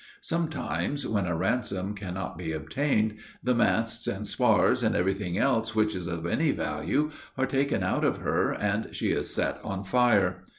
Sometimes, when a ransom can not be obtained, the masts, and spars, and everything else which is of any value, are taken out of her, and she is set on fire.